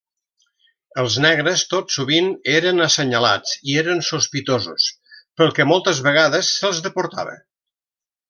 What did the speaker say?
Els negres tot sovint eren assenyalats i eren sospitosos, pel que moltes vegades se'ls deportava.